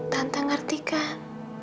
tante ngerti kan